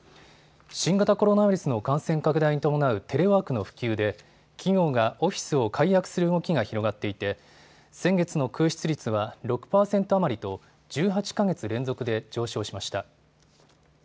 新型コロナウイルスの感染拡大に伴うテレワークの普及で、企業がオフィスを解約する動きが広がっていて、先月の空室率は６％余りと、１８か月連続で上昇しました。